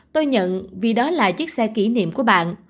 tôi nhận vì đó là chiếc xe kỷ niệm của bạn